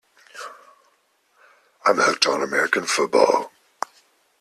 I'm hooked on American football.